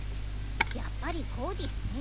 やっぱりこうでぃすね。